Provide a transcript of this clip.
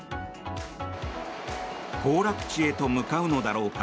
行楽地へと向かうのだろうか。